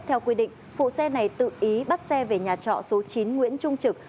theo quy định phụ xe này tự ý bắt xe về nhà trọ số chín nguyễn trung trực